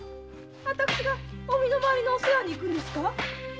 私が御身の回りのお世話に行くのですか？